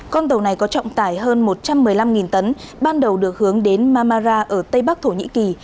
con tàu này có trọng tải hơn một trăm một mươi năm tấn ban đầu được hướng đến mamara ở tây bắc thổ nhĩ kỳ